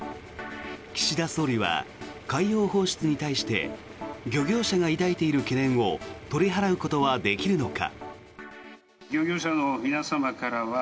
岸田総理は海洋放出に対して漁業者が抱いている懸念を取り払うことはできるのか。